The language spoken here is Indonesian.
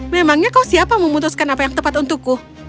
memangnya kok siapa memutuskan apa yang tepat untukku